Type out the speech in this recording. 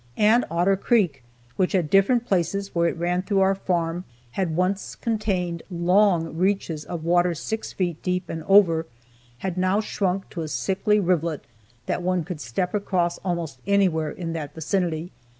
And Otter Creek, which at different places where it ran through our farm had once contained long reaches of water six feet deep and over, had now shrunk to a sickly rivulet that one could step across almost anywhere in that vicinity.